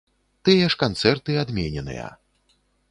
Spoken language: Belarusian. Тыя ж канцэрты адмененыя.